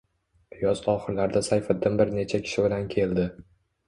Yoz oxirlarida Sayfiddin bir necha kishi bilan keldi